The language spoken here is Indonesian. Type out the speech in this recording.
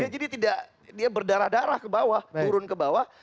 jadi dia berdarah darah ke bawah turun ke bawah